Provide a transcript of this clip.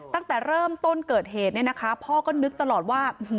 ตั้งแต่เริ่มต้นเกิดเหตุพอก็นึกตลอดว่า